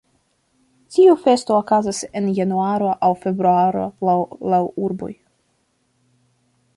Tiu festo okazas en januaro aŭ februaro laŭ la urboj.